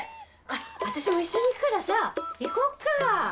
私も一緒に行くからさ行こっか。